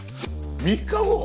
３日後？